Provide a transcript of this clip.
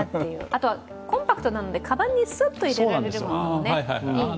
あとはコンパクトなのでかばんにすっと入れられるのもいいですよね。